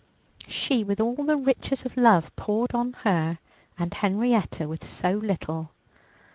She with all the riches of love poured on her, and Henrietta with so little.